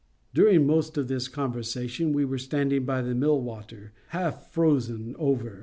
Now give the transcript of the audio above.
During the most of this conversation, we were standing by the mill water, half frozen over.